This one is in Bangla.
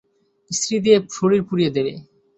ইস্ত্রি দিয়ে শরীর পুড়িয়ে দেবে।